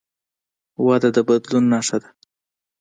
وده د بدلون نښه ده.